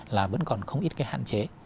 là vẫn còn không ít cái hạn chế